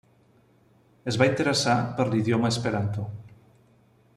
Es va interessar per l'idioma esperanto.